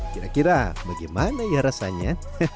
kira kira bagaimana ya rasanya